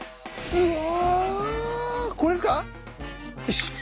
うわ！